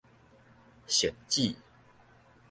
汐止